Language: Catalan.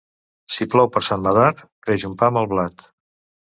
Si plou per Sant Medard, creix un pam el blat.